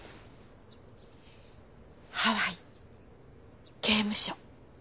ハワイ刑務所。